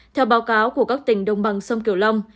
theo báo cáo của các tỉnh đông bằng sông kiểu long